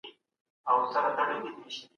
هغې ویلي چې د کار فشار زیات و.